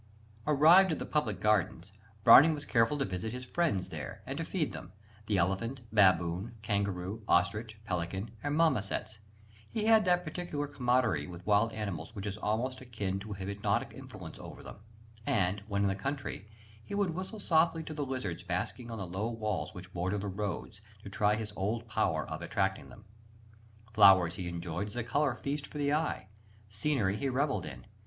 Arrived at the public gardens, Browning was careful to visit his "friends" there and to feed them the elephant, baboon, kangaroo, ostrich, pelican, and marmosets. He had that particular camaraderie with wild animals which is almost akin to a hypnotic influence over them: and when in the country, he would "whistle softly to the lizards basking on the low walls which border the roads, to try his old power of attracting them." Flowers he enjoyed as a colour feast for the eye; scenery he revelled in.